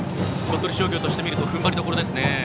鳥取商業としてみると踏ん張りどころですね。